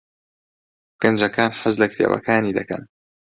گەنجەکان حەز لە کتێبەکانی دەکەن.